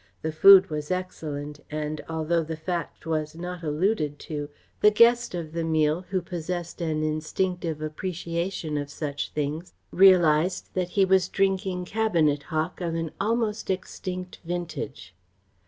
The food was excellent and, although the fact was not alluded to, the guest of the meal, who possessed an instinctive appreciation of such things, realised that he was drinking cabinet hock of an almost extinct vintage.